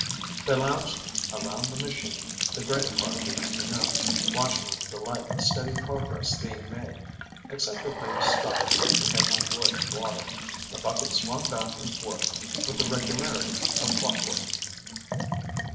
They lounged around the machine the greater part of the afternoon, watching with delight the steady progress being made. Except for brief stops, to take on wood and water, the bucket swung back and forth with the regularity of clockwork.